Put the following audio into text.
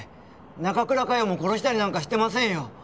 中倉佳世も殺したりなんかしてませんよ。